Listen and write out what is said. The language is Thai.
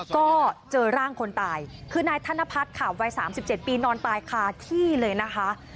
ก็เจอร่างคนตายคือนายธนพัฒน์ค่ะวัย๓๗ปีนอนตายคาที่เลยนะคะ